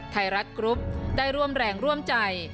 ไทยรัฐกรุ๊ปได้ร่วมแรงร่วมใจ